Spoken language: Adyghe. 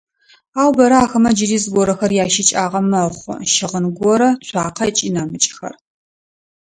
Ау бэрэ ахэмэ джыри зыгорэхэр ящыкӏагъэ мэхъу: щыгъын горэ, цуакъэ ыкӏи нэмыкӏхэр.